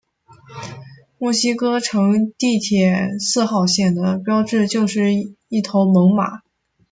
墨西哥城地铁四号线的标志就是一头猛犸。